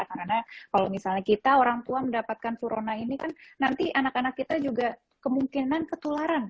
karena kalau misalnya kita orang tua mendapatkan furona ini kan nanti anak anak kita juga kemungkinan ketularan